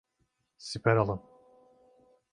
Siper alın!